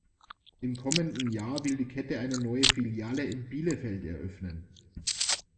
Im kommenden Jahr will die Kette eine neue Filiale in Bielefeld eröffnen.